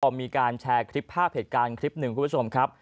ต่อมีการแชร์คลิป๕เหตุการณ์คลิป๑ครับคุณผู้ชมครับ